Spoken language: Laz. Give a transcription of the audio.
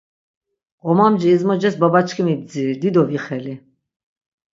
Ğomamci izmoces babaçkimi bdziri, dido vixeli.